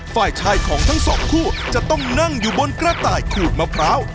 ฝ่ายชายของทั้งสองคู่จะต้องนั่งอยู่บนกระต่ายขูดมะพร้าว